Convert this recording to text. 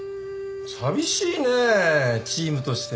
寂しいねえチームとして。